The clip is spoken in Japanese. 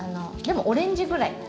オレンジぐらい。